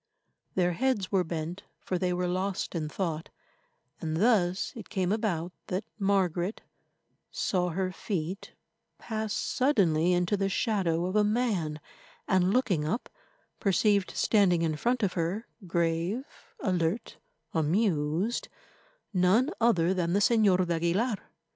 Their heads were bent, for they were lost in thought, and thus it came about that Margaret saw her feet pass suddenly into the shadow of a man, and, looking up, perceived standing in front of her, grave, alert, amused, none other than the Señor d'Aguilar.